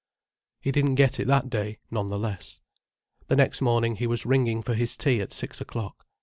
He didn't get it that day, none the less. The next morning he was ringing for his tea at six o'clock.